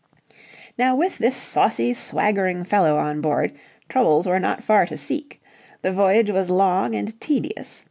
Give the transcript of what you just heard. Now with this saucy, swaggering fellow on board, troubles were not far to seek. The voyage was long and tedious.